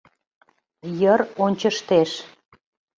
Йыр ончыштеш.